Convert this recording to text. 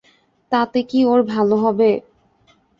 তাতে কি ওর ভালো হবে।